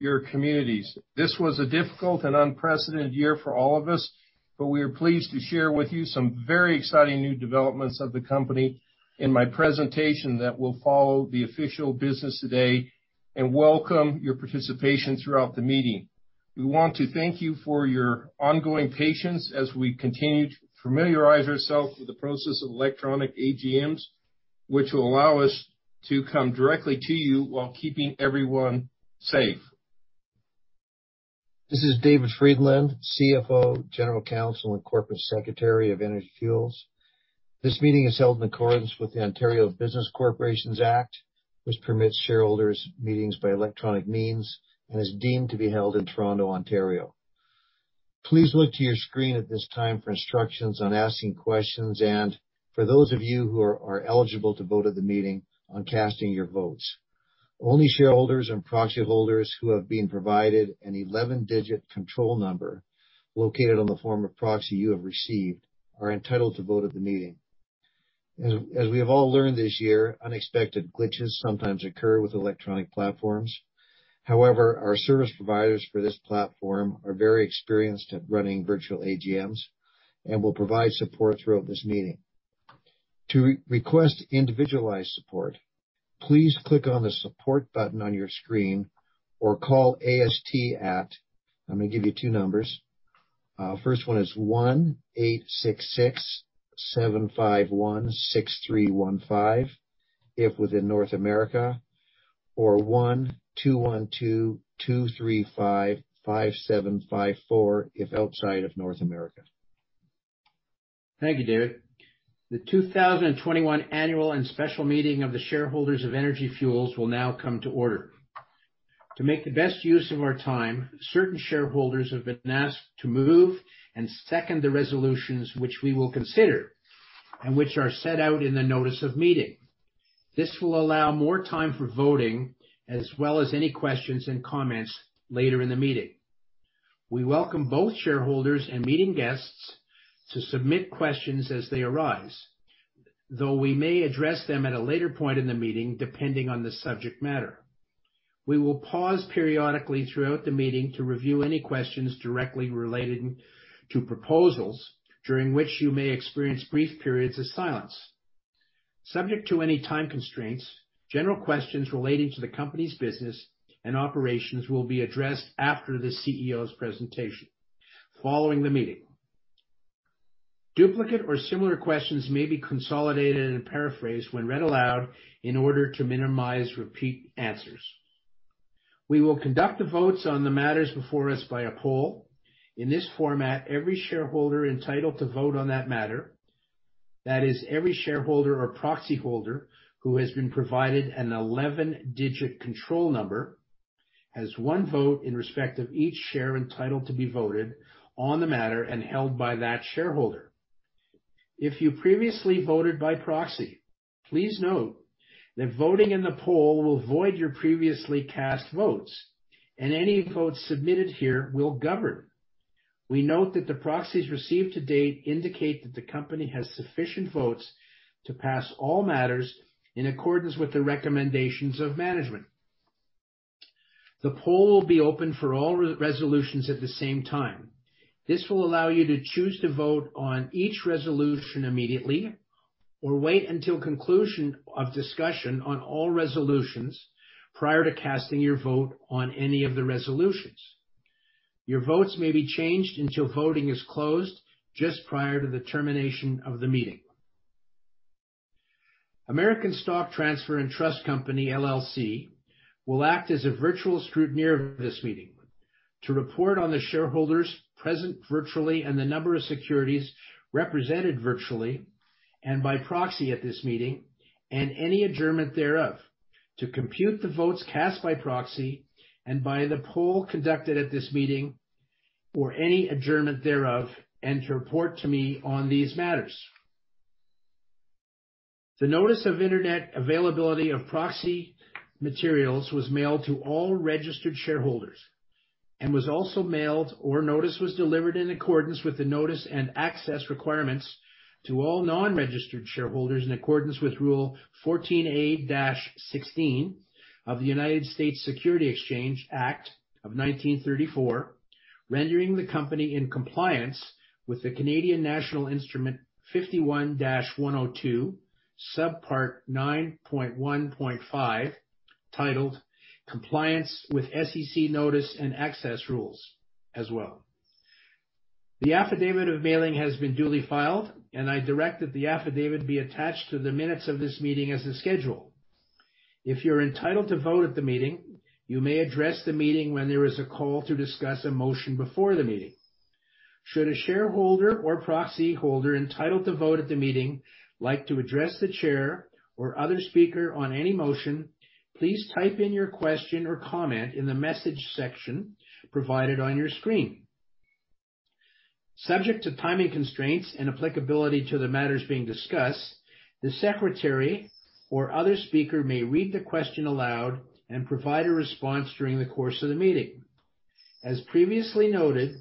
your communities. This was a difficult and unprecedented year for all of us, but we are pleased to share with you some very exciting new developments of the company in my presentation that will follow the official business today, and welcome your participation throughout the meeting. We want to thank you for your ongoing patience as we continue to familiarize ourselves with the process of electronic AGMs, which will allow us to come directly to you while keeping everyone safe. This is David Friedland, CFO, General Counsel, and Corporate Secretary of Energy Fuels. This meeting is held in accordance with the Ontario Business Corporations Act, which permits shareholders meetings by electronic means and is deemed to be held in Toronto, Ontario. Please look to your screen at this time for instructions on asking questions, and for those of you who are eligible to vote at the meeting, on casting your votes. Only shareholders and proxy holders who have been provided an 11-digit control number located on the form of proxy you have received are entitled to vote at the meeting. As we have all learned this year, unexpected glitches sometimes occur with electronic platforms. However, our service providers for this platform are very experienced at running virtual AGMs and will provide support throughout this meeting. To request individualized support, please click on the Support button on your screen or call AST at... I'm gonna give you two numbers. First one is 1-866-751-6315, if within North America, or 1-212-235-5754 if outside of North America. Thank you, David. The 2021 Annual and Special Meeting of the Shareholders of Energy Fuels will now come to order. To make the best use of our time, certain shareholders have been asked to move and second the resolutions which we will consider and which are set out in the notice of meeting. This will allow more time for voting, as well as any questions and comments later in the meeting. We welcome both shareholders and meeting guests to submit questions as they arise, though we may address them at a later point in the meeting, depending on the subject matter. We will pause periodically throughout the meeting to review any questions directly related to proposals, during which you may experience brief periods of silence. Subject to any time constraints, general questions relating to the company's business and operations will be addressed after the CEO's presentation, following the meeting. Duplicate or similar questions may be consolidated and paraphrased when read aloud in order to minimize repeat answers. We will conduct the votes on the matters before us by a poll. In this format, every shareholder entitled to vote on that matter, that is, every shareholder or proxy holder who has been provided a 11-digit control number, has one vote in respect of each share entitled to be voted on the matter and held by that shareholder. If you previously voted by proxy, please note that voting in the poll will void your previously cast votes, and any votes submitted here will govern. We note that the proxies received to date indicate that the company has sufficient votes to pass all matters in accordance with the recommendations of management. The poll will be open for all resolutions at the same time. This will allow you to choose to vote on each resolution immediately, or wait until conclusion of discussion on all resolutions prior to casting your vote on any of the resolutions. Your votes may be changed until voting is closed just prior to the termination of the meeting. American Stock Transfer and Trust Company, LLC, will act as a virtual scrutineer of this meeting to report on the shareholders present virtually and the number of securities represented virtually and by proxy at this meeting, and any adjournment thereof, to compute the votes cast by proxy and by the poll conducted at this meeting or any adjournment thereof, and to report to me on these matters. The notice of internet availability of proxy materials was mailed to all registered shareholders and was also mailed, or notice was delivered in accordance with the notice and access requirements to all non-registered shareholders in accordance with Rule 14a-16 of the Securities Exchange Act of 1934, rendering the company in compliance with the National Instrument 51-102, subpart 9.1.5, titled Compliance with SEC Notice-and-Access Rules, as well. The affidavit of mailing has been duly filed, and I direct that the affidavit be attached to the minutes of this meeting as a schedule. If you're entitled to vote at the meeting, you may address the meeting when there is a call to discuss a motion before the meeting. Should a shareholder or proxy holder entitled to vote at the meeting like to address the chair or other speaker on any motion, please type in your question or comment in the Message section provided on your screen. Subject to timing constraints and applicability to the matters being discussed, the secretary or other speaker may read the question aloud and provide a response during the course of the meeting.... As previously noted,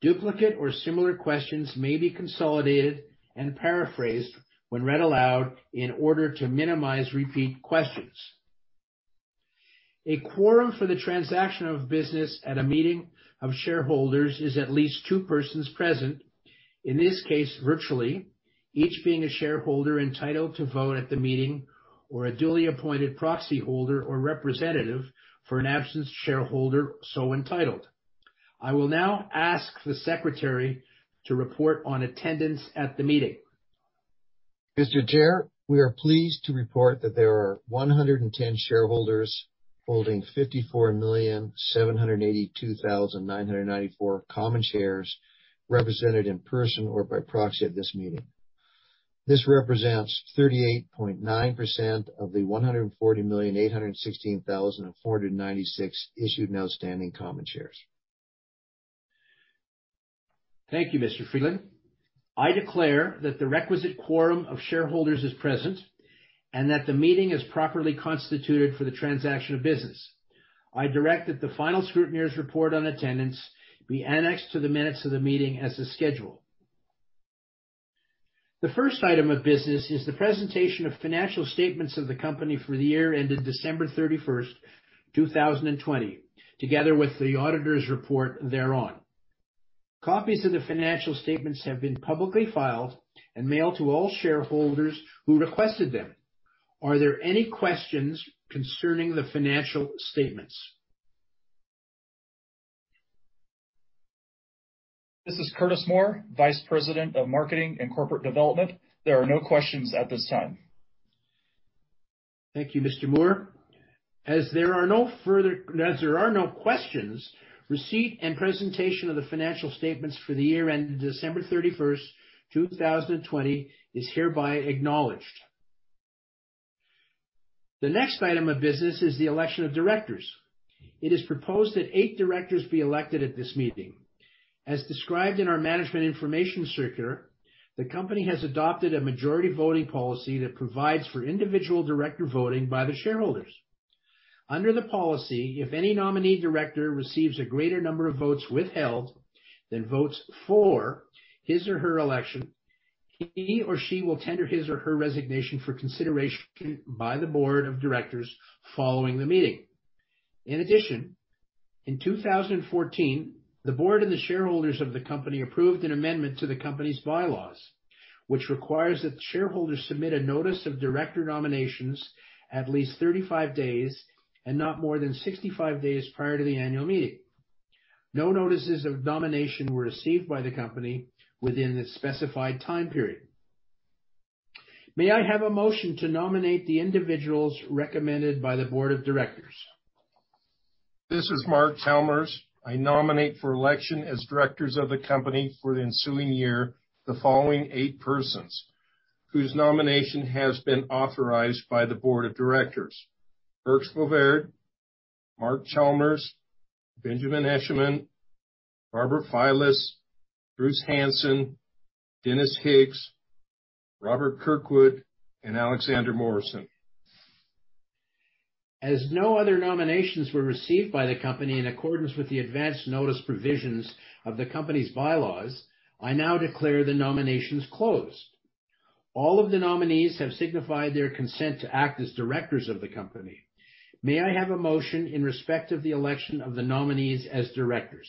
duplicate or similar questions may be consolidated and paraphrased when read aloud in order to minimize repeat questions. A quorum for the transaction of business at a meeting of shareholders is at least two persons present, in this case, virtually, each being a shareholder entitled to vote at the meeting, or a duly appointed proxy holder or representative for an absent shareholder so entitled. I will now ask the secretary to report on attendance at the meeting. Mr. Chair, we are pleased to report that there are 110 shareholders holding 54,782,994 common shares represented in person or by proxy at this meeting. This represents 38.9% of the 140,816,496 issued and outstanding common shares. Thank you, Mr. Friedland. I declare that the requisite quorum of shareholders is present, and that the meeting is properly constituted for the transaction of business. I direct that the Final Scrutineer's Report on attendance be annexed to the minutes of the meeting as a schedule. The first item of business is the presentation of financial statements of the company for the year ended December 31st, 2020, together with the Auditor's Report thereon. Copies of the financial statements have been publicly filed and mailed to all shareholders who requested them. Are there any questions concerning the financial statements? This is Curtis Moore, Vice President of Marketing and Corporate Development. There are no questions at this time. Thank you, Mr. Moore. As there are no questions, receipt and presentation of the financial statements for the year ended December 31st, 2020, is hereby acknowledged. The next item of business is the election of directors. It is proposed that eight directors be elected at this meeting. As described in our Management Information Circular, the company has adopted a majority voting policy that provides for individual director voting by the shareholders. Under the policy, if any nominee director receives a greater number of votes withheld than votes for his or her election, he or she will tender his or her resignation for consideration by the Board of Directors following the meeting. In addition, in 2014, the Board and the shareholders of the company approved an amendment to the company's bylaws, which requires that the shareholders submit a notice of director nominations at least 35 days and not more than 65 days prior to the annual meeting. No notices of nomination were received by the company within the specified time period. May I have a motion to nominate the individuals recommended by the Board of Directors? This is Mark Chalmers. I nominate for election as directors of the company for the ensuing year, the following eight persons, whose nomination has been authorized by the Board of Directors: J. Birks Bovaird, Mark Chalmers, Benjamin Eshleman III, Barbara Filas, Bruce Hansen, Dennis Higgs, Robert Kirkwood, and Alexander Morrison. As no other nominations were received by the company in accordance with the advanced notice provisions of the company's bylaws, I now declare the nominations closed. All of the nominees have signified their consent to act as directors of the company. May I have a motion in respect of the election of the nominees as directors?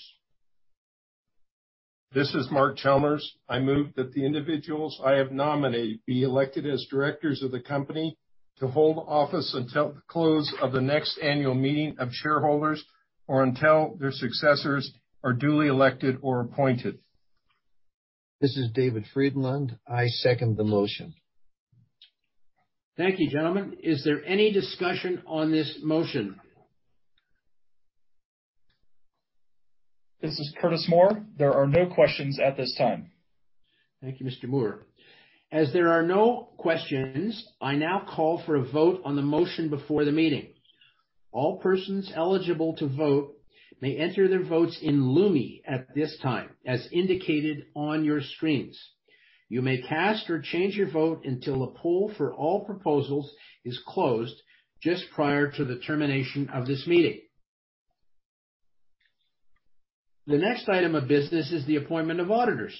This is Mark Chalmers. I move that the individuals I have nominated be elected as directors of the company to hold office until the close of the next annual meeting of shareholders or until their successors are duly elected or appointed. This is David Friedland. I second the motion. Thank you, gentlemen. Is there any discussion on this motion? This is Curtis Moore. There are no questions at this time. Thank you, Mr. Moore. As there are no questions, I now call for a vote on the motion before the meeting. All persons eligible to vote may enter their votes in Lumi at this time, as indicated on your screens. You may cast or change your vote until the poll for all proposals is closed just prior to the termination of this meeting. The next item of business is the appointment of auditors.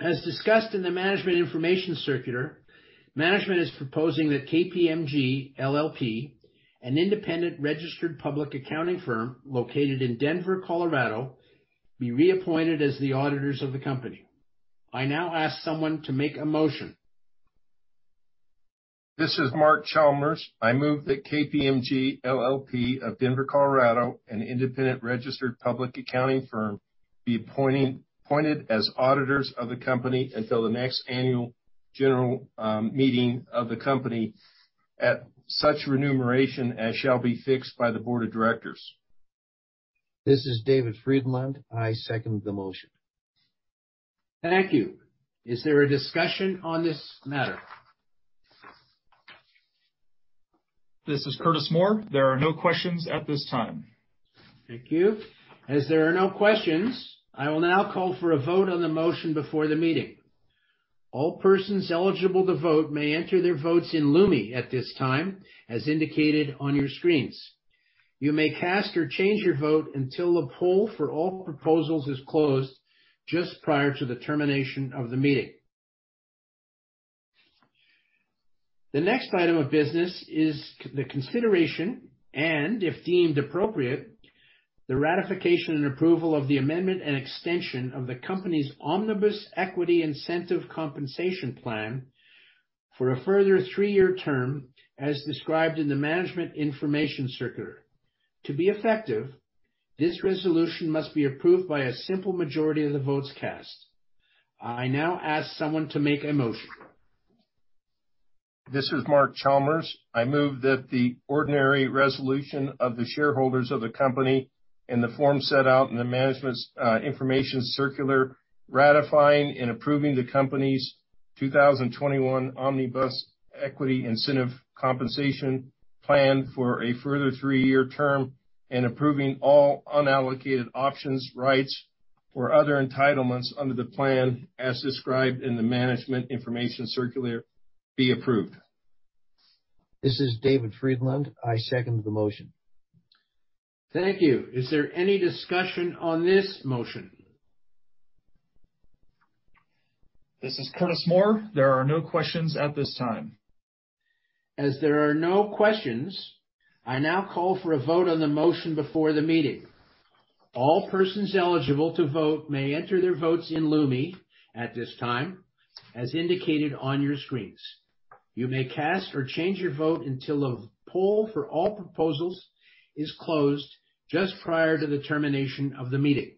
As discussed in the Management Information Circular, management is proposing that KPMG LLP, an independent registered public accounting firm located in Denver, Colorado, be reappointed as the auditors of the company. I now ask someone to make a motion. This is Mark Chalmers. I move that KPMG LLP of Denver, Colorado, an independent registered public accounting firm, be appointed as auditors of the company until the next Annual General Meeting of the company at such remuneration as shall be fixed by the Board of Directors. This is David Friedland. I second the motion. Thank you. Is there a discussion on this matter? This is Curtis Moore. There are no questions at this time. Thank you. As there are no questions, I will now call for a vote on the motion before the meeting. All persons eligible to vote may enter their votes in Lumi at this time, as indicated on your screens. You may cast or change your vote until the poll for all proposals is closed just prior to the termination of the meeting. The next item of business is the consideration, and if deemed appropriate, the ratification and approval of the amendment and extension of the company's Omnibus Equity Incentive Compensation Plan for a further three-year term, as described in the Management Information Circular. To be effective, this resolution must be approved by a simple majority of the votes cast. I now ask someone to make a motion. This is Mark Chalmers. I move that the ordinary resolution of the shareholders of the company, in the form set out in the Management Information Circular, ratifying and approving the company's 2021 Omnibus Equity Incentive Compensation Plan for a further three-year term, and approving all unallocated options, rights, or other entitlements under the plan, as described in the Management Information Circular, be approved. This is David Friedland. I second the motion. Thank you. Is there any discussion on this motion? This is Curtis Moore. There are no questions at this time. As there are no questions, I now call for a vote on the motion before the meeting. All persons eligible to vote may enter their votes in Lumi at this time, as indicated on your screens. You may cast or change your vote until the poll for all proposals is closed just prior to the termination of the meeting.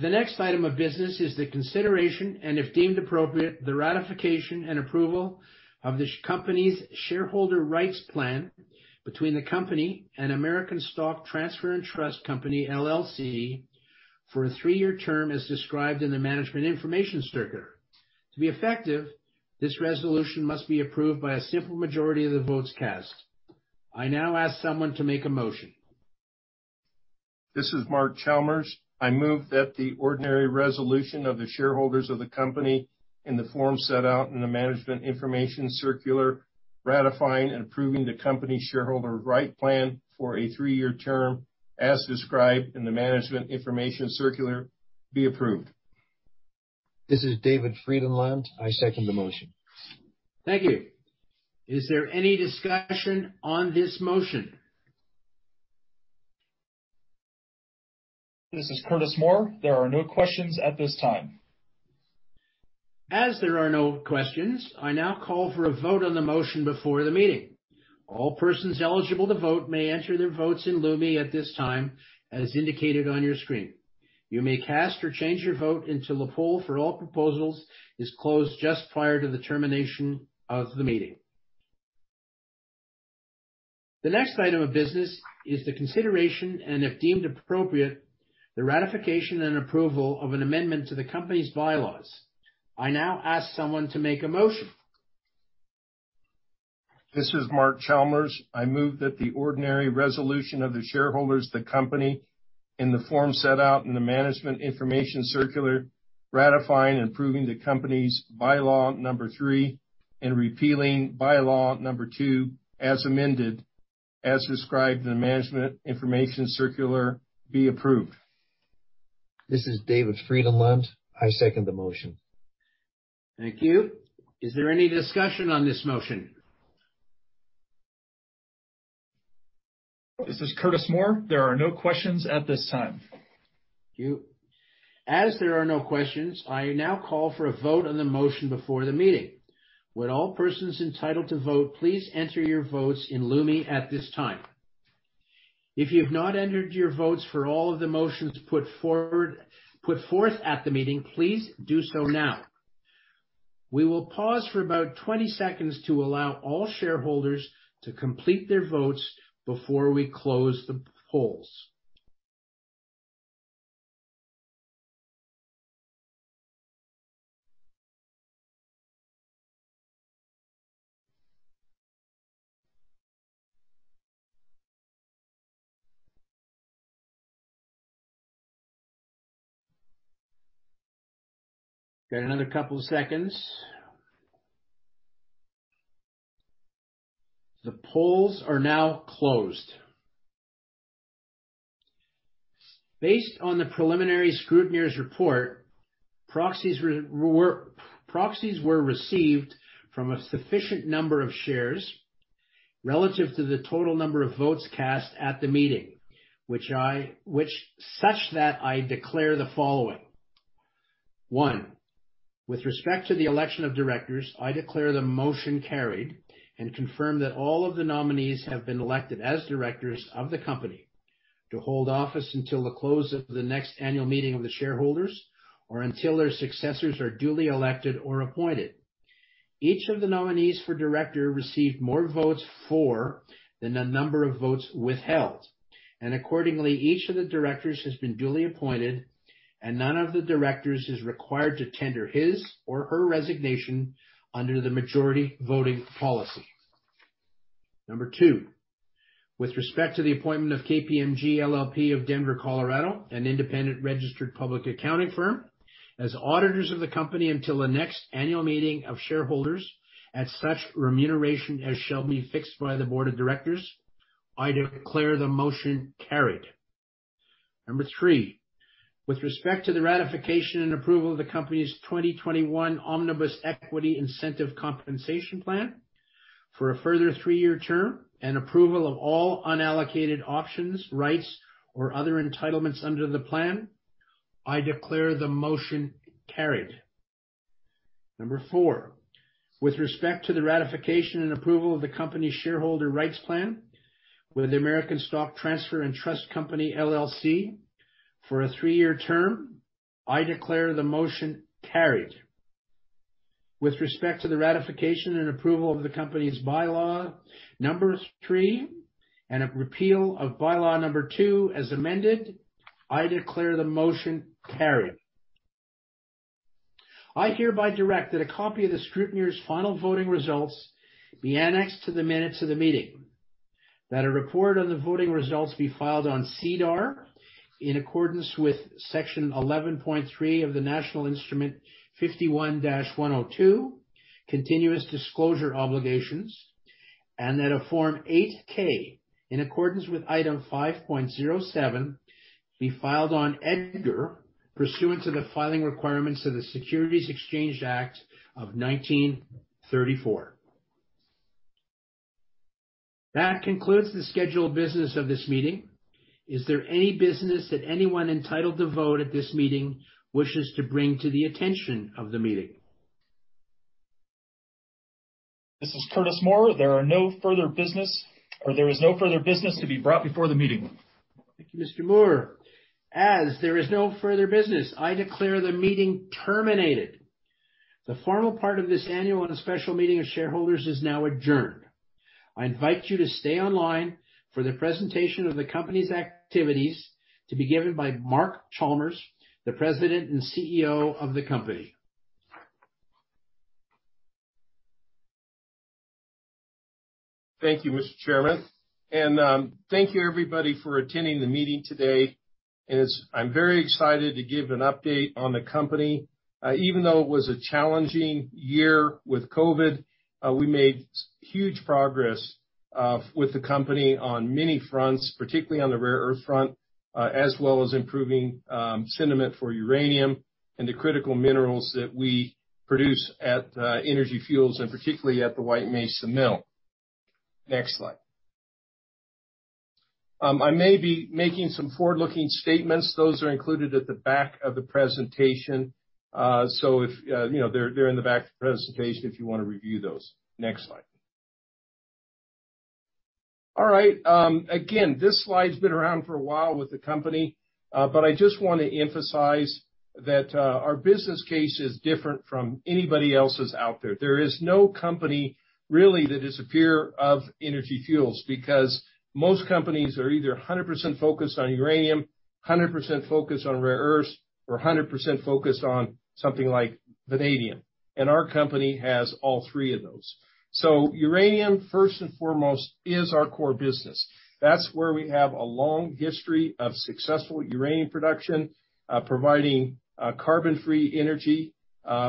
The next item of business is the consideration, and if deemed appropriate, the ratification and approval of the company's shareholder rights plan between the company and American Stock Transfer & Trust Company, LLC, for a three-year term, as described in the Management Information Circular. To be effective, this resolution must be approved by a simple majority of the votes cast. I now ask someone to make a motion. This is Mark Chalmers. I move that the ordinary resolution of the shareholders of the company, in the form set out in the Management Information Circular, ratifying and approving the company's Shareholder Rights Plan for a three-year term, as described in the Management Information Circular, be approved. This is David Friedland. I second the motion. Thank you. Is there any discussion on this motion? This is Curtis Moore. There are no questions at this time. As there are no questions, I now call for a vote on the motion before the meeting. All persons eligible to vote may enter their votes in Lumi at this time, as indicated on your screen. You may cast or change your vote until the poll for all proposals is closed just prior to the termination of the meeting. The next item of business is the consideration, and if deemed appropriate, the ratification and approval of an amendment to the company's bylaws. I now ask someone to make a motion. This is Mark Chalmers. I move that the ordinary resolution of the shareholders, the company, in the form set out in the Management Information Circular, ratifying and approving the company's Bylaw Number Three, and repealing Bylaw Number Two, as amended, as described in the Management Information Circular, be approved. This is David Friedland. I second the motion. Thank you. Is there any discussion on this motion? This is Curtis Moore. There are no questions at this time. Thank you. As there are no questions, I now call for a vote on the motion before the meeting. Would all persons entitled to vote, please enter your votes in Lumi at this time. If you've not entered your votes for all of the motions put forward, put forth at the meeting, please do so now. We will pause for about 20 seconds to allow all shareholders to complete their votes before we close the polls. Got another couple seconds. The polls are now closed. Based on the preliminary Scrutineer's Report, proxies were received from a sufficient number of shares relative to the total number of votes cast at the meeting, such that I declare the following: One, with respect to the election of directors, I declare the motion carried and confirm that all of the nominees have been elected as directors of the company to hold office until the close of the next annual meeting of the shareholders or until their successors are duly elected or appointed. Each of the nominees for director received more votes for than the number of votes withheld, and accordingly, each of the directors has been duly appointed, and none of the directors is required to tender his or her resignation under the majority voting policy. Number two, with respect to the appointment of KPMG LLP of Denver, Colorado, an independent registered public accounting firm, as auditors of the company until the next Annual Meeting of Shareholders at such remuneration as shall be fixed by the Board of Directors, I declare the motion carried. Number three, with respect to the ratification and approval of the company's 2021 Omnibus Equity Incentive Compensation Plan for a further three-year term and approval of all unallocated options, rights, or other entitlements under the plan, I declare the motion carried. Number four, with respect to the ratification and approval of the company's Shareholder Rights Plan with the American Stock Transfer and Trust Company, LLC, for a three-year term, I declare the motion carried. With respect to the ratification and approval of the company's Bylaw Number Three, and a repeal of Bylaw Number Two, as amended, I declare the motion carried. I hereby direct that a copy of the scrutineer's final voting results be annexed to the minutes of the meeting, that a report on the voting results be filed on SEDAR in accordance with Section 11.3 of the National Instrument 51-102, continuous disclosure obligations, and that a Form 8-K, in accordance with Item 5.07, be filed on EDGAR pursuant to the filing requirements of the Securities Exchange Act of 1934. That concludes the scheduled business of this meeting. Is there any business that anyone entitled to vote at this meeting wishes to bring to the attention of the meeting? This is Curtis Moore. There is no further business to be brought before the meeting. Thank you, Mr. Moore. As there is no further business, I declare the meeting terminated. The formal part of this Annual and Special Meeting of Shareholders is now adjourned. I invite you to stay online for the presentation of the company's activities to be given by Mark Chalmers, the President and CEO of the company. Thank you, Mr. Chairman, and thank you, everybody, for attending the meeting today. And it's. I'm very excited to give an update on the company. Even though it was a challenging year with COVID, we made huge progress with the company on many fronts, particularly on the rare earth front, as well as improving sentiment for uranium and the critical minerals that we produce at Energy Fuels, and particularly at the White Mesa Mill. Next slide. I may be making some forward-looking statements. Those are included at the back of the presentation. So if you know, they're, they're in the back of the presentation if you want to review those. Next slide. All right, again, this slide's been around for a while with the company, but I just want to emphasize that our business case is different from anybody else's out there. There is no company really that is a peer of Energy Fuels, because most companies are either 100% focused on uranium, 100% focused on rare earths, or 100% focused on something like vanadium, and our company has all three of those. So uranium, first and foremost, is our core business. That's where we have a long history of successful uranium production, providing carbon-free energy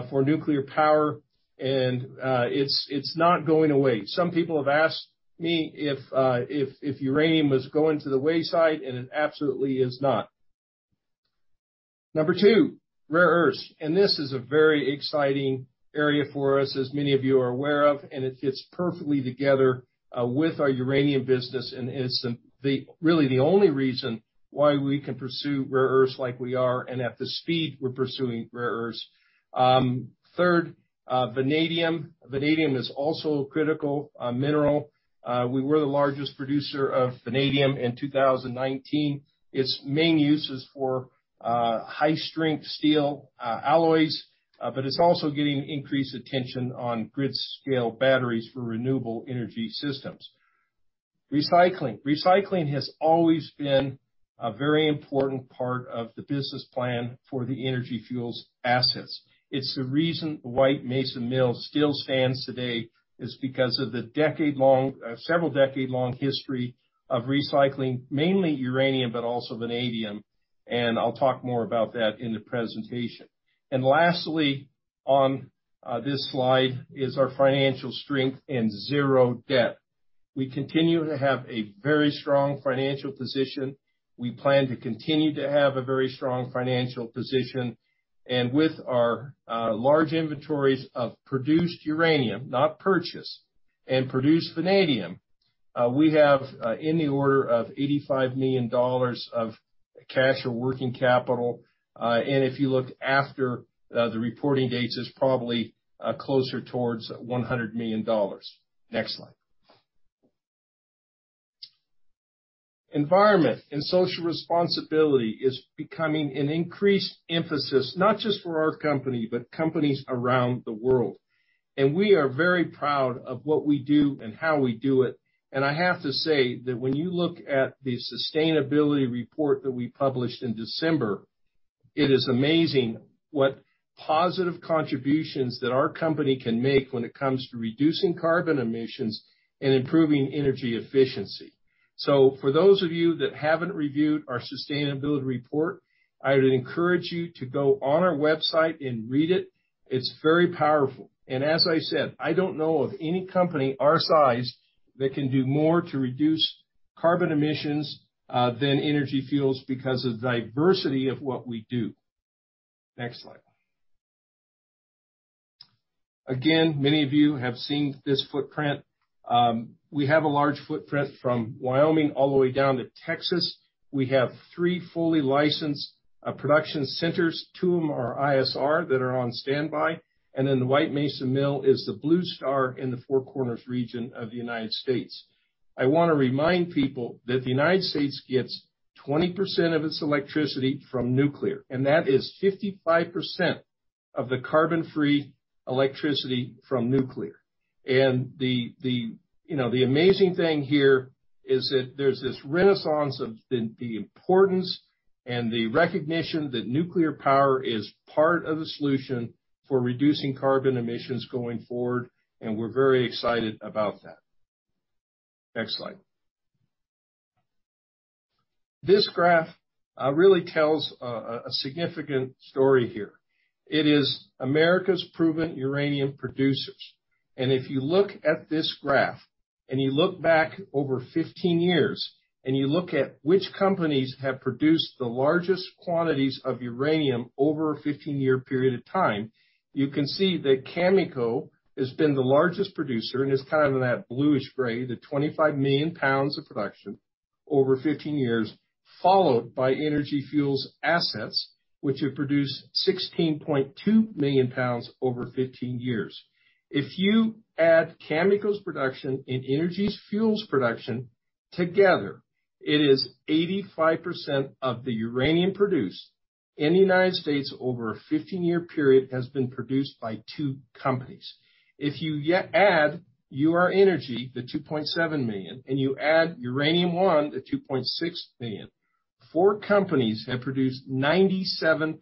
for nuclear power, and it's not going away. Some people have asked me if uranium was going to the wayside, and it absolutely is not. Number two, rare earths, and this is a very exciting area for us, as many of you are aware of, and it fits perfectly together with our uranium business, and is really the only reason why we can pursue rare earths like we are, and at the speed we're pursuing rare earths. Third, vanadium. Vanadium is also a critical mineral. We were the largest producer of vanadium in 2019. Its main use is for high-strength steel alloys, but it's also getting increased attention on grid-scale batteries for renewable energy systems. Recycling. Recycling has always been a very important part of the business plan for the Energy Fuels assets. It's the reason the White Mesa Mill still stands today is because of the decade-long, several decade-long history of recycling, mainly uranium, but also vanadium, and I'll talk more about that in the presentation. And lastly, on this slide is our financial strength and zero debt. We continue to have a very strong financial position. We plan to continue to have a very strong financial position, and with our large inventories of produced uranium, not purchased, and produced vanadium, we have in the order of $85 million of cash or working capital. And if you look after the reporting dates, it's probably closer towards $100 million. Next slide. Environment and social responsibility is becoming an increased emphasis, not just for our company, but companies around the world, and we are very proud of what we do and how we do it. I have to say that when you look at the sustainability report that we published in December. It is amazing what positive contributions that our company can make when it comes to reducing carbon emissions and improving energy efficiency. For those of you that haven't reviewed our sustainability report, I would encourage you to go on our website and read it. It's very powerful. And as I said, I don't know of any company our size that can do more to reduce carbon emissions than Energy Fuels because of the diversity of what we do. Next slide. Again, many of you have seen this footprint. We have a large footprint from Wyoming all the way down to Texas. We have three fully licensed production centers. Two of them are ISR, that are on standby, and then the White Mesa Mill is the blue star in the Four Corners region of the United States. I wanna remind people that the United States gets 20% of its electricity from nuclear, and that is 55% of the carbon-free electricity from nuclear. And you know, the amazing thing here is that there's this renaissance of the importance and the recognition that nuclear power is part of the solution for reducing carbon emissions going forward, and we're very excited about that. Next slide. This graph really tells a significant story here. It is America's proven uranium producers. If you look at this graph, and you look back over 15 years, and you look at which companies have produced the largest quantities of uranium over a 15-year period of time, you can see that Cameco has been the largest producer, and it's kind of in that bluish-gray, the 25 million pounds of production over 15 years, followed by Energy Fuels assets, which have produced 16.2 million pounds over 15 years. If you add Cameco's production and Energy Fuels' production together, it is 85% of the uranium produced in the United States over a 15-year period, has been produced by two companies. If you add Ur-Energy, the 2.7 million, and you add Uranium One, the 2.6 million, four companies have produced 97%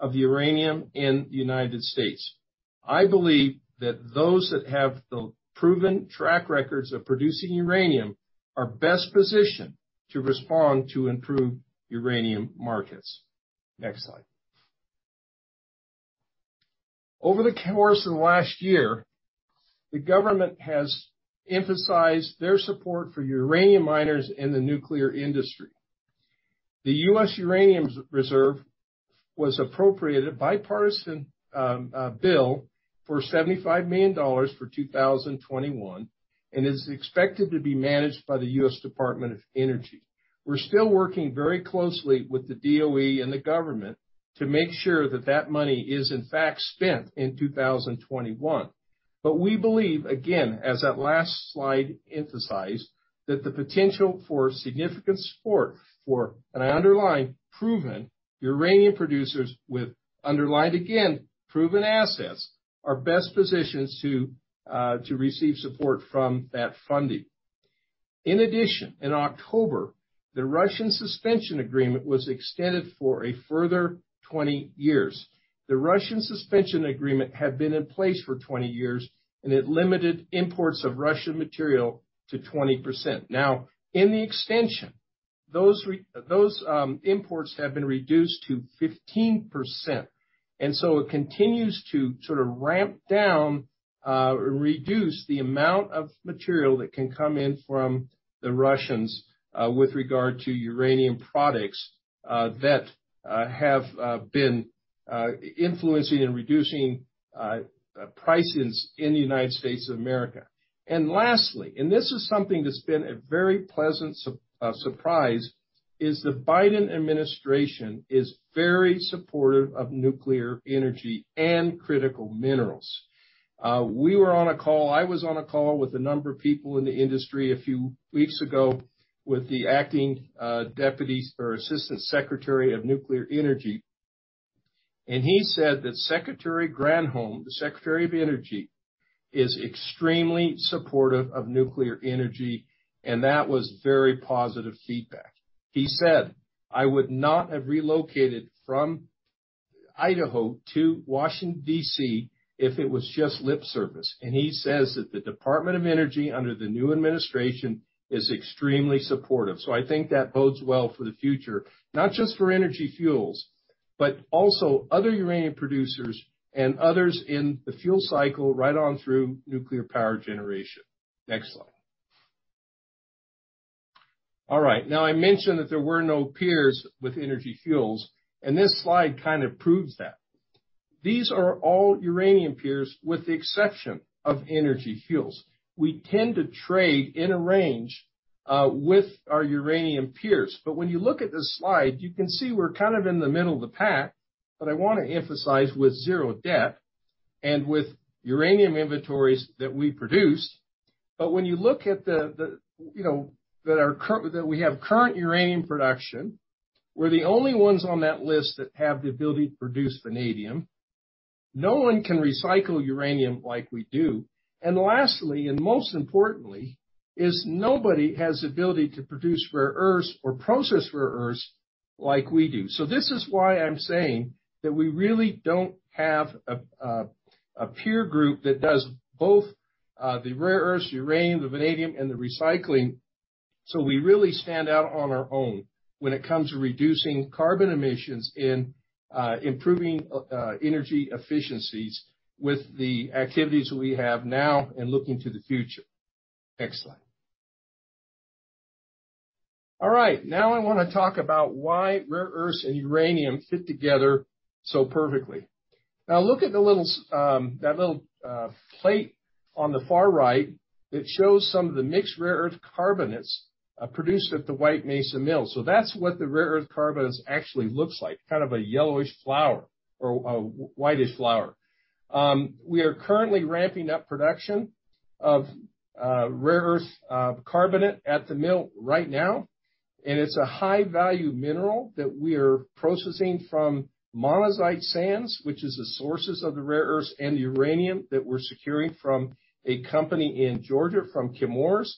of the uranium in the United States. I believe that those that have the proven track records of producing uranium are best positioned to respond to improved uranium markets. Next slide. Over the course of last year, the government has emphasized their support for uranium miners in the nuclear industry. The U.S. Uranium Reserve was appropriated a bipartisan bill for $75 million for 2021, and is expected to be managed by the U.S. Department of Energy. We're still working very closely with the DOE and the government to make sure that that money is, in fact, spent in 2021. But we believe, again, as that last slide emphasized, that the potential for significant support for, and I underline, proven uranium producers with, underlined again, proven assets, are best positioned to receive support from that funding. In addition, in October, the Russian Suspension Agreement was extended for a further 20 years. The Russian Suspension Agreement had been in place for 20 years, and it limited imports of Russian material to 20%. Now, in the extension, those imports have been reduced to 15%, and so it continues to sort of ramp down or reduce the amount of material that can come in from the Russians with regard to uranium products that have been influencing and reducing prices in the United States of America. And lastly, this is something that's been a very pleasant surprise: the Biden administration is very supportive of nuclear energy and critical minerals. We were on a call—I was on a call with a number of people in the industry a few weeks ago with the acting, deputy or assistant secretary of nuclear energy, and he said that Secretary Granholm, the Secretary of Energy, is extremely supportive of nuclear energy, and that was very positive feedback. He said, "I would not have relocated from Idaho to Washington, D.C., if it was just lip service." And he says that the Department of Energy, under the new administration, is extremely supportive. So I think that bodes well for the future, not just for Energy Fuels, but also other uranium producers and others in the fuel cycle right on through nuclear power generation. Next slide. All right. Now, I mentioned that there were no peers with Energy Fuels, and this slide kind of proves that. These are all uranium peers, with the exception of Energy Fuels. We tend to trade in a range with our uranium peers. But when you look at this slide, you can see we're kind of in the middle of the pack, but I wanna emphasize, with zero debt and with uranium inventories that we produce. But when you look at the, you know, that we have current uranium production, we're the only ones on that list that have the ability to produce vanadium. No one can recycle uranium like we do. And lastly, and most importantly, is nobody has the ability to produce rare earths or process rare earths like we do. So this is why I'm saying that we really don't have a peer group that does both the rare earths, uranium, the vanadium, and the recycling. So we really stand out on our own when it comes to reducing carbon emissions and, improving, energy efficiencies with the activities we have now and looking to the future. Next slide. All right, now I wanna talk about why rare earths and uranium fit together so perfectly. Now look at the little, that little, plate on the far right that shows some of the mixed rare earth carbonates, produced at the White Mesa Mill. So that's what the rare earth carbonates actually looks like, kind of a yellowish flower or a, a whitish flower. We are currently ramping up production of, rare earth, carbonate at the mill right now, and it's a high-value mineral that we are processing from monazite sands, which is the sources of the rare earths and uranium that we're securing from a company in Georgia, from Chemours.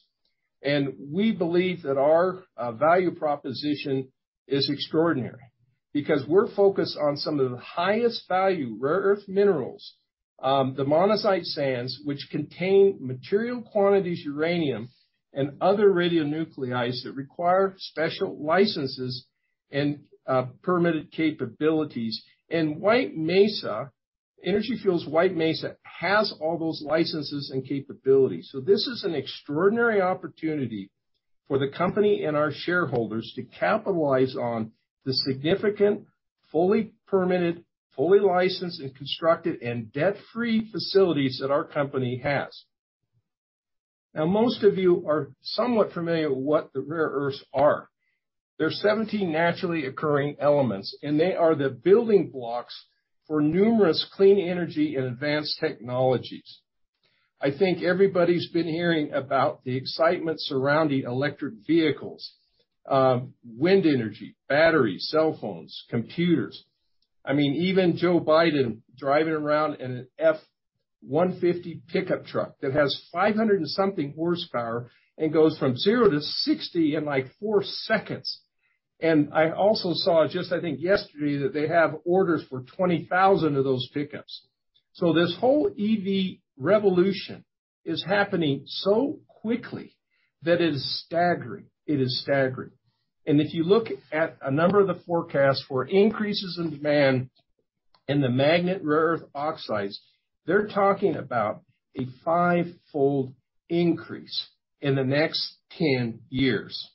We believe that our value proposition is extraordinary because we're focused on some of the highest value rare earth minerals. The monazite sands, which contain material quantities, uranium, and other radionuclides that require special licenses and permitted capabilities. And White Mesa, Energy Fuels' White Mesa has all those licenses and capabilities. So this is an extraordinary opportunity for the company and our shareholders to capitalize on the significant, fully permitted, fully licensed, and constructed, and debt-free facilities that our company has. Now, most of you are somewhat familiar with what the rare earths are. There are 17 naturally occurring elements, and they are the building blocks for numerous clean energy and advanced technologies. I think everybody's been hearing about the excitement surrounding electric vehicles, wind energy, batteries, cell phones, computers. I mean, even Joe Biden driving around in an F-150 pickup truck that has 500+ horsepower and goes from 0 to 60 in, like, four seconds. And I also saw just, I think yesterday, that they have orders for 20,000 of those pickups. So this whole EV revolution is happening so quickly that it is staggering. It is staggering. And if you look at a number of the forecasts for increases in demand in the magnet rare earth oxides, they're talking about a fivefold increase in the next 10 years.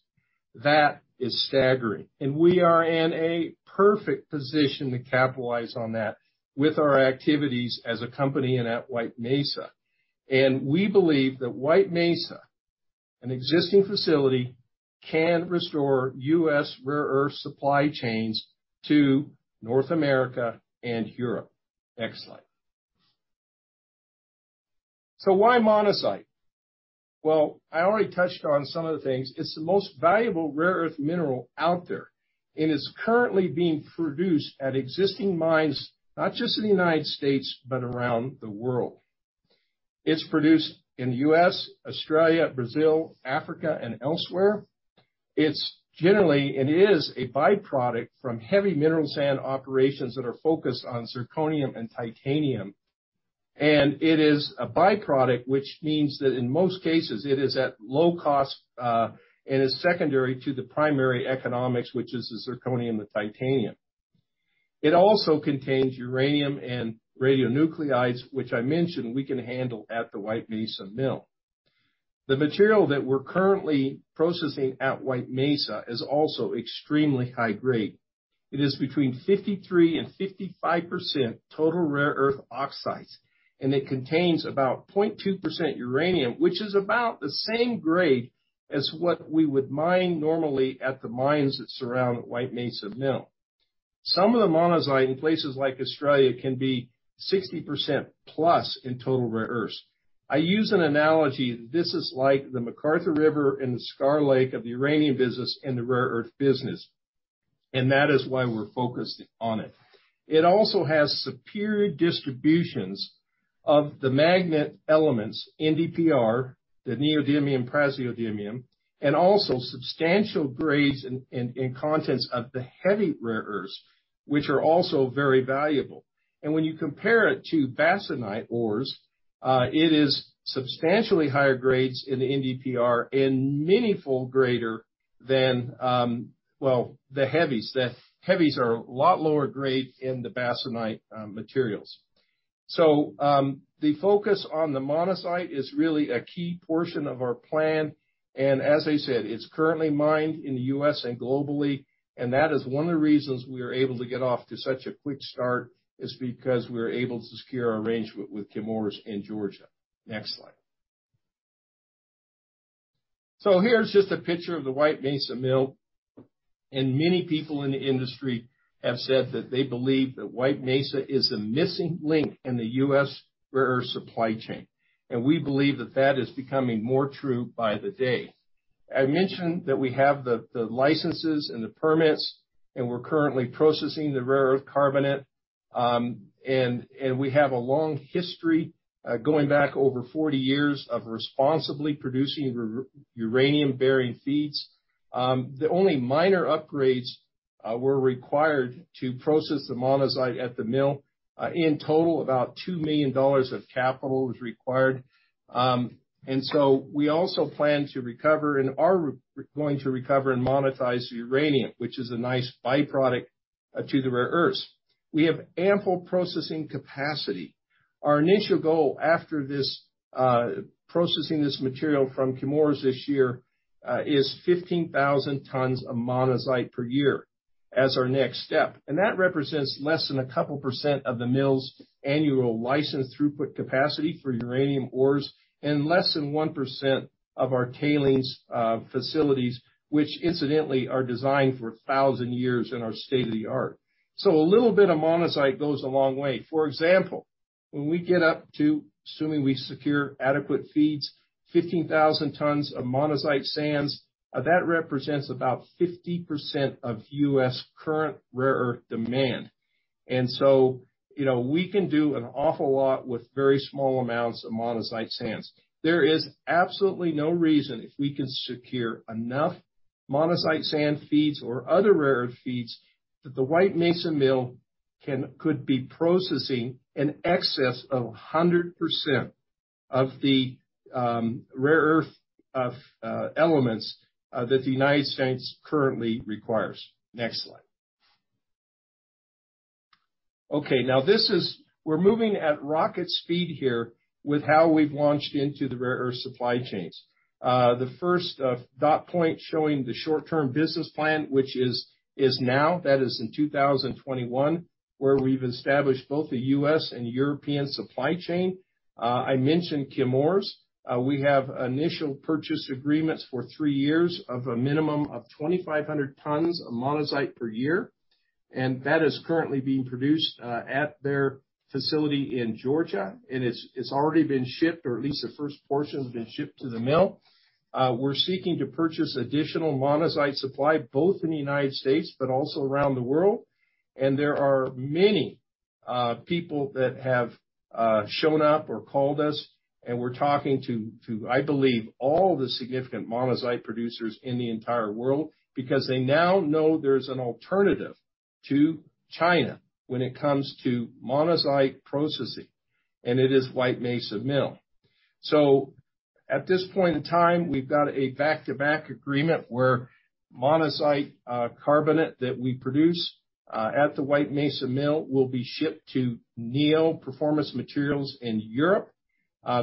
That is staggering, and we are in a perfect position to capitalize on that with our activities as a company and at White Mesa. And we believe that White Mesa, an existing facility, can restore U.S. rare earth supply chains to North America and Europe. Next slide. So why monazite? Well, I already touched on some of the things. It's the most valuable rare earth mineral out there, and it's currently being produced at existing mines, not just in the United States, but around the world. It's produced in the US, Australia, Brazil, Africa, and elsewhere. It's generally a byproduct from heavy mineral sand operations that are focused on zirconium and titanium, and it is a byproduct, which means that in most cases, it is at low cost and is secondary to the primary economics, which is the zirconium and titanium. It also contains uranium and radionuclides, which I mentioned we can handle at the White Mesa Mill. The material that we're currently processing at White Mesa is also extremely high grade. It is between 53% and 55% total rare earth oxides, and it contains about 0.2% uranium, which is about the same grade as what we would mine normally at the mines that surround the White Mesa Mill. Some of the monazite in places like Australia can be 60%+ in total rare earths. I use an analogy. This is like the McArthur River and the Cigar Lake of the uranium business and the rare earth business, and that is why we're focused on it. It also has superior distributions of the magnet elements, NdPr, the Neodymium-Praseodymium, and also substantial grades and contents of the heavy rare earths, which are also very valuable. And when you compare it to bastnäsite ores, it is substantially higher grades in the NdPr and meaningful greater than... well, the heavies. The heavies are a lot lower grade in the bastnäsite materials. The focus on the monazite is really a key portion of our plan, and as I said, it's currently mined in the U.S. and globally, and that is one of the reasons we are able to get off to such a quick start, is because we are able to secure our arrangement with Chemours in Georgia. Next slide. Here's just a picture of the White Mesa Mill, and many people in the industry have said that they believe that White Mesa is the missing link in the U.S. rare earth supply chain. We believe that that is becoming more true by the day... I mentioned that we have the licenses and the permits, and we're currently processing the rare earth carbonate. We have a long history going back over 40 years of responsibly producing uranium-bearing feeds. The only minor upgrades were required to process the monazite at the mill. In total, about $2 million of capital was required. And so we also plan to recover and are going to recover and monetize uranium, which is a nice by-product to the rare earths. We have ample processing capacity. Our initial goal after this, processing this material from Chemours this year, is 15,000 tons of monazite per year as our next step, and that represents less than a couple% of the mill's annual licensed throughput capacity for uranium ores, and less than 1% of our tailings facilities, which incidentally are designed for 1,000 years and are state-of-the-art. So a little bit of monazite goes a long way. For example, when we get up to, assuming we secure adequate feeds, 15,000 tons of monazite sands, that represents about 50% of U.S. current rare earth demand. And so, you know, we can do an awful lot with very small amounts of monazite sands. There is absolutely no reason, if we can secure enough monazite sand feeds or other rare earth feeds, that the White Mesa Mill can--could be processing in excess of 100% of the rare earth elements that the United States currently requires. Next slide. Okay, now this is--we're moving at rocket speed here with how we've launched into the rare earth supply chains. The first dot point showing the short-term business plan, which is now, that is in 2021, where we've established both the US and European supply chain. I mentioned Chemours. We have initial purchase agreements for three years of a minimum of 2,500 tons of monazite per year, and that is currently being produced at their facility in Georgia. It's already been shipped, or at least the first portion has been shipped to the mill. We're seeking to purchase additional monazite supply, both in the United States, but also around the world, and there are many people that have shown up or called us, and we're talking to I believe all the significant monazite producers in the entire world because they now know there's an alternative to China when it comes to monazite processing, and it is White Mesa Mill. So at this point in time, we've got a back-to-back agreement where monazite carbonate that we produce at the White Mesa Mill will be shipped to Neo Performance Materials in Europe.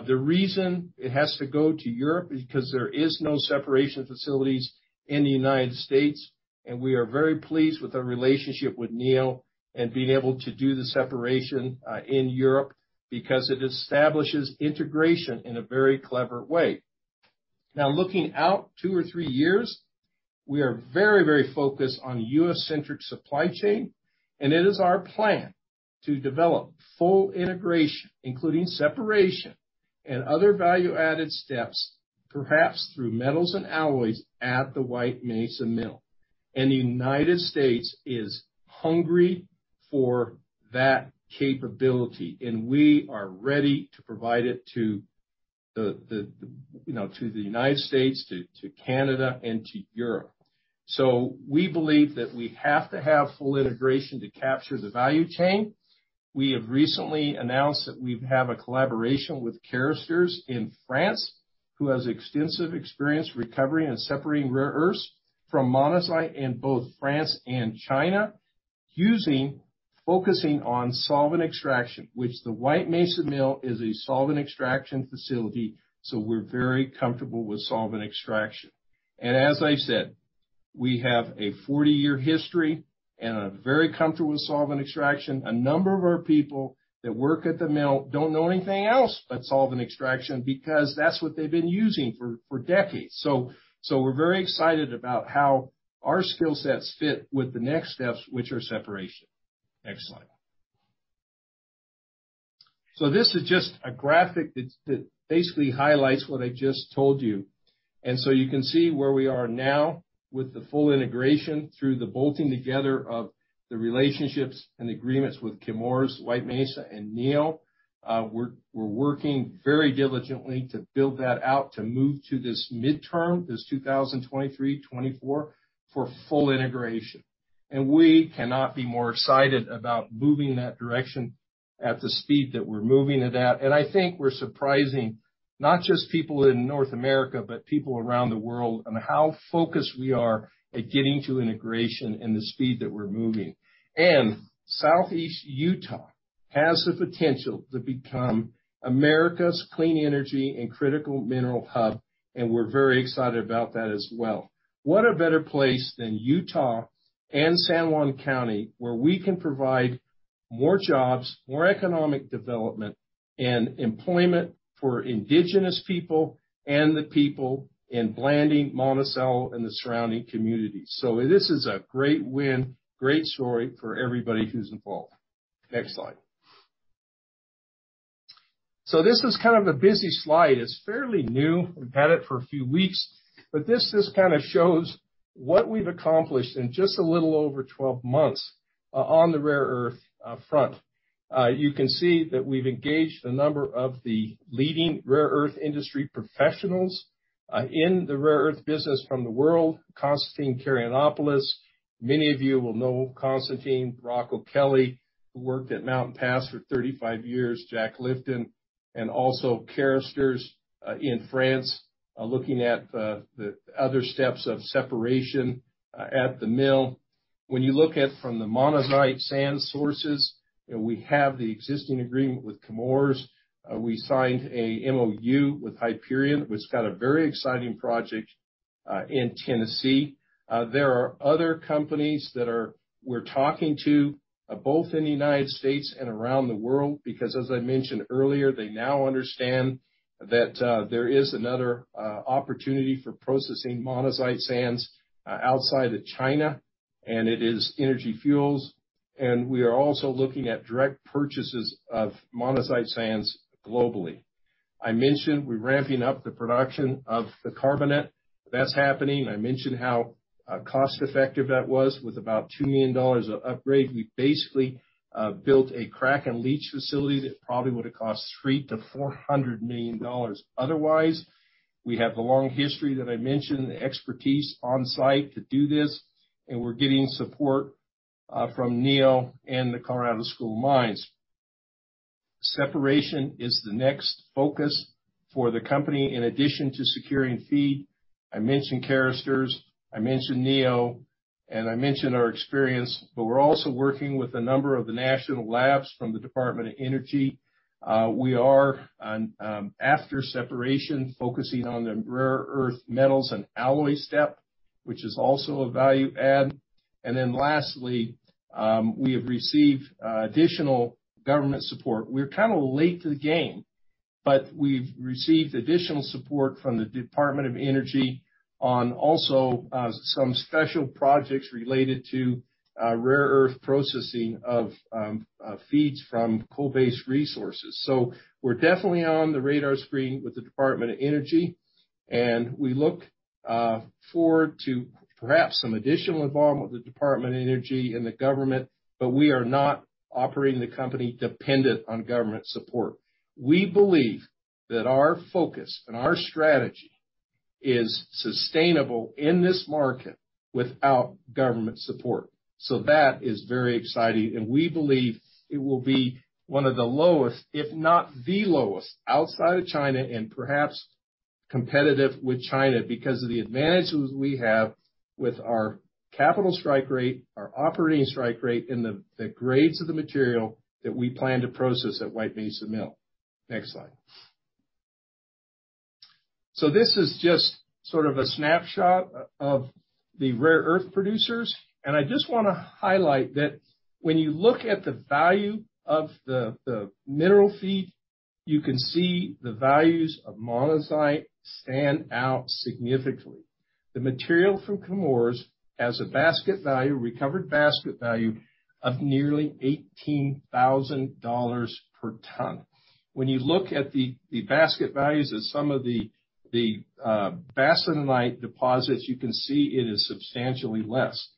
The reason it has to go to Europe is because there is no separation facilities in the United States, and we are very pleased with our relationship with Neo and being able to do the separation in Europe because it establishes integration in a very clever way. Now, looking out two or three years, we are very, very focused on U.S.-centric supply chain, and it is our plan to develop full integration, including separation and other value-added steps, perhaps through metals and alloys at the White Mesa Mill. And the United States is hungry for that capability, and we are ready to provide it to the, you know, to the United States, to Canada, and to Europe. So we believe that we have to have full integration to capture the value chain. We have recently announced that we have a collaboration with Carester in France, who has extensive experience recovering and separating rare earths from monazite in both France and China, using, focusing on solvent extraction, which the White Mesa Mill is a solvent extraction facility, so we're very comfortable with solvent extraction. And as I said, we have a 40-year history, and are very comfortable with solvent extraction. A number of our people that work at the mill don't know anything else but solvent extraction because that's what they've been using for decades. So we're very excited about how our skill sets fit with the next steps, which are separation. Next slide. So this is just a graphic that basically highlights what I just told you. So you can see where we are now with the full integration through the bolting together of the relationships and agreements with Chemours, White Mesa Mill, and Neo. We're working very diligently to build that out, to move to this midterm, this 2023, 2024, for full integration. And we cannot be more excited about moving in that direction at the speed that we're moving it at. And I think we're surprising not just people in North America, but people around the world on how focused we are at getting to integration and the speed that we're moving. And Southeast Utah has the potential to become America's clean energy and critical mineral hub, and we're very excited about that as well. What a better place than Utah and San Juan County, where we can provide more jobs, more economic development, and employment for indigenous people and the people in Blanding, Monticello, and the surrounding communities. So this is a great win, great story for everybody who's involved. Next slide. So this is kind of a busy slide. It's fairly new. We've had it for a few weeks, but this just kind of shows what we've accomplished in just a little over 12 months on the rare earth front. You can see that we've engaged a number of the leading rare earth industry professionals in the rare earth business from the world, Constantine Karayannopoulos. Many of you will know Constantine Karayannopoulos, Brock O'Kelley, who worked at Mountain Pass for 35 years, Jack Lifton, and also Carester in France are looking at the other steps of separation at the mill. When you look at from the monazite sand sources, and we have the existing agreement with Chemours, we signed a MOU with Hyperion, which got a very exciting project in Tennessee. There are other companies we're talking to, both in the United States and around the world, because, as I mentioned earlier, they now understand that there is another opportunity for processing monazite sands outside of China, and it is Energy Fuels. And we are also looking at direct purchases of monazite sands globally. I mentioned we're ramping up the production of the carbonate. That's happening. I mentioned how cost effective that was. With about $2 million of upgrade, we basically built a crack and leach facility that probably would have cost $300 million-$400 million, otherwise. We have the long history that I mentioned, the expertise on site to do this, and we're getting support from Neo and the Colorado School of Mines. Separation is the next focus for the company in addition to securing feed. I mentioned Carester, I mentioned Neo, and I mentioned our experience, but we're also working with a number of the national labs from the Department of Energy. We are on, after separation, focusing on the rare earth metals and alloy step, which is also a value add. Then lastly, we have received additional government support. We're kind of late to the game, but we've received additional support from the Department of Energy on also, some special projects related to, rare earth processing of, feeds from coal-based resources. So we're definitely on the radar screen with the Department of Energy, and we look, forward to perhaps some additional involvement with the Department of Energy and the government, but we are not operating the company dependent on government support. We believe that our focus and our strategy is sustainable in this market without government support. So that is very exciting, and we believe it will be one of the lowest, if not the lowest, outside of China and perhaps competitive with China because of the advantages we have with our capital strike rate, our operating strike rate, and the grades of the material that we plan to process at White Mesa Mill. Next slide. So this is just sort of a snapshot of the rare earth producers, and I just wanna highlight that when you look at the value of the mineral feed, you can see the values of monazite stand out significantly. The material from Chemours has a basket value, recovered basket value of nearly $18,000 per ton. When you look at the basket values of some of the bastnäsite deposits, you can see it is substantially less.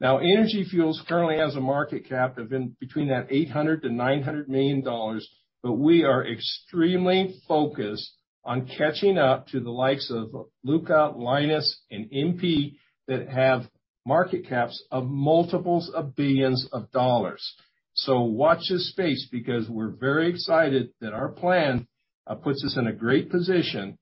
Now, Energy Fuels currently has a market cap of in between that $800 million-$900 million, but we are extremely focused on catching up to the likes of Iluka, Lynas, and MP, that have market caps of multiples of billions of dollars. So watch this space because we're very excited that our plan puts us in a great position to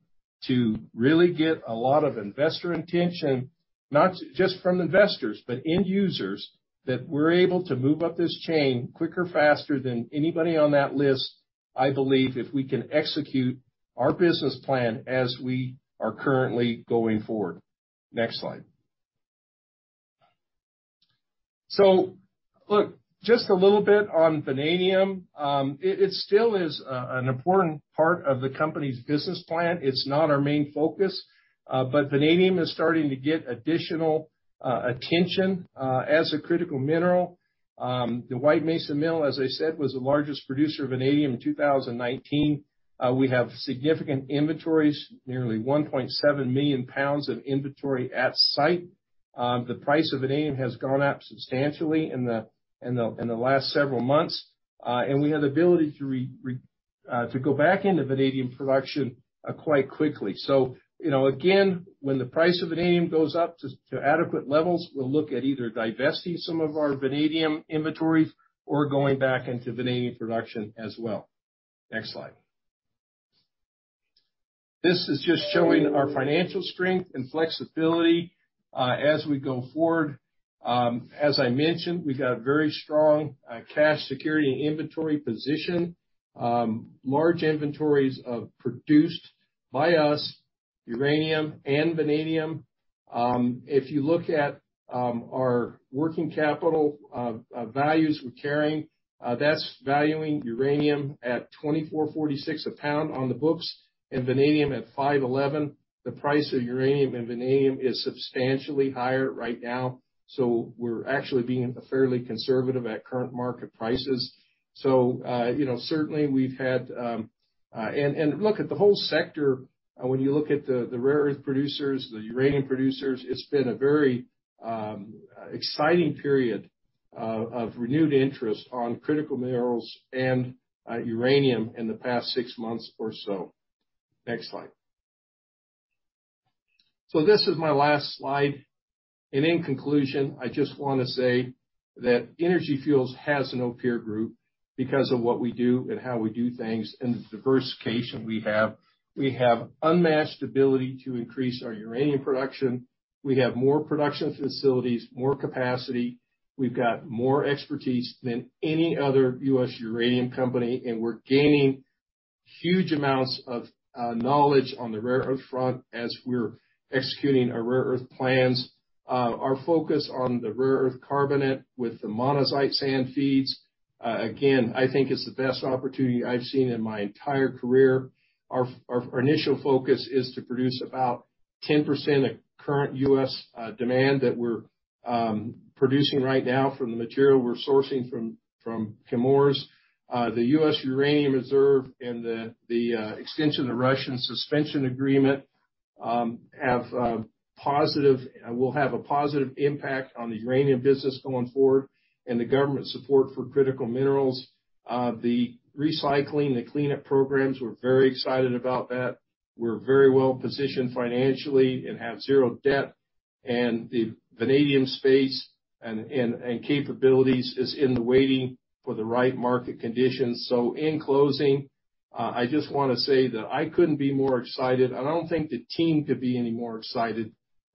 really get a lot of investor attention, not just from investors, but end users, that we're able to move up this chain quicker, faster than anybody on that list, I believe, if we can execute our business plan as we are currently going forward. Next slide. So look, just a little bit on vanadium. It still is an important part of the company's business plan. It's not our main focus, but vanadium is starting to get additional attention as a critical mineral. The White Mesa Mill, as I said, was the largest producer of vanadium in 2019. We have significant inventories, nearly 1.7 million pounds of inventory at site. The price of vanadium has gone up substantially in the last several months. And we have the ability to go back into vanadium production quite quickly. So, you know, again, when the price of vanadium goes up to adequate levels, we'll look at either divesting some of our vanadium inventories or going back into vanadium production as well. Next slide. This is just showing our financial strength and flexibility as we go forward. As I mentioned, we've got a very strong cash security and inventory position. Large inventories of, produced by us, uranium and vanadium. If you look at our working capital values we're carrying, that's valuing uranium at $24.46 a pound on the books and vanadium at $5.11. The price of uranium and vanadium is substantially higher right now, so we're actually being fairly conservative at current market prices. So, you know, certainly, we've had... And look at the whole sector, when you look at the rare earth producers, the uranium producers, it's been a very exciting period of renewed interest on critical minerals and uranium in the past six months or so. Next slide. So this is my last slide, and in conclusion, I just wanna say that Energy Fuels has no peer group because of what we do and how we do things, and the diversification we have. We have unmatched ability to increase our uranium production. We have more production facilities, more capacity, we've got more expertise than any other U.S. uranium company, and we're gaining huge amounts of knowledge on the rare earth front as we're executing our rare earth plans. Our focus on the rare earth carbonate with the monazite sand feeds, again, I think is the best opportunity I've seen in my entire career. Our initial focus is to produce about 10% of current U.S. demand that we're producing right now from the material we're sourcing from Chemours. The U.S. uranium reserve and the extension of the Russian Suspension Agreement have positive... Will have a positive impact on the uranium business going forward, and the government support for critical minerals. The recycling, the cleanup programs, we're very excited about that. We're very well-positioned financially and have zero debt, and the vanadium space and capabilities is in the waiting for the right market conditions. So in closing, I just wanna say that I couldn't be more excited, and I don't think the team could be any more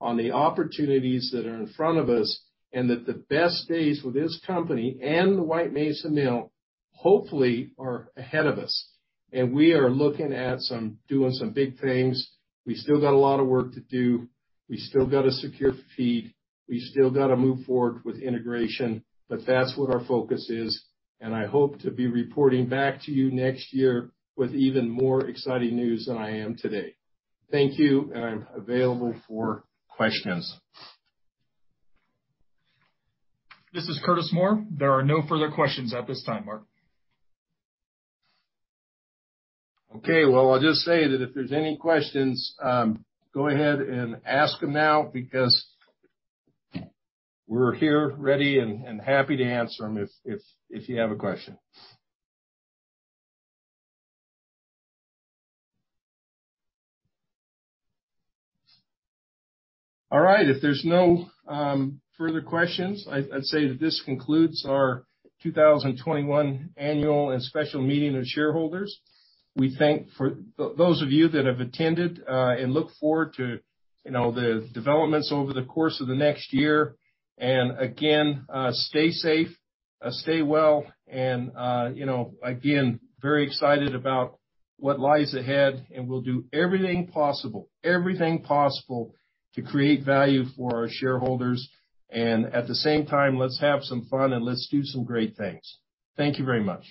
excited on the opportunities that are in front of us, and that the best days for this company and the White Mesa Mill, hopefully, are ahead of us. And we are looking at some- doing some big things. We still got a lot of work to do. We still got to secure feed. We still gotta move forward with integration, but that's what our focus is, and I hope to be reporting back to you next year with even more exciting news than I am today. Thank you, and I'm available for questions. This is Curtis Moore. There are no further questions at this time, Mark. Okay, well, I'll just say that if there's any questions, go ahead and ask them now, because we're here, ready, and happy to answer them if you have a question. All right. If there's no further questions, I'd say that this concludes our 2021 Annual and Special Meeting of Shareholders. We thank those of you that have attended, and look forward to, you know, the developments over the course of the next year. And again, stay safe, stay well, and, you know, again, very excited about what lies ahead, and we'll do everything possible, everything possible to create value for our shareholders. And at the same time, let's have some fun, and let's do some great things. Thank you very much.